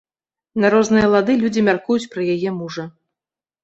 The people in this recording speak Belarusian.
На розныя лады людзі мяркуюць пра яе мужа.